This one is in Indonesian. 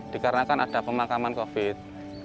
dikarenakan ada pemakaman covid